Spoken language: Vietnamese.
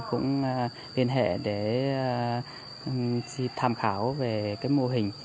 cũng liên hệ để tham khảo về cái mô hình